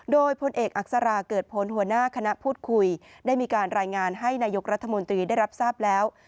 โดยพลเอกอักษราเกิดผลหัวหน้าคณะพูดคุยได้มีการรายงานให้นายกรัฐมนตรีได้รับทราบแล้ว